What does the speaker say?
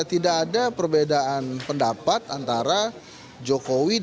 tidak ada perbedaan pendapat antara jokowi dan jk